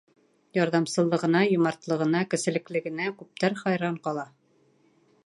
Ярҙамсыллығына, йомартлығына, кеселеклелегенә күптәр хайран ҡала.